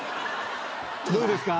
どうですか？